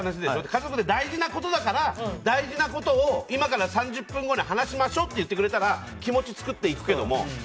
家族で大事なことだから大事なことを今から３０分後に話しましょうって言ってくれたら気持ちを作っていくけども。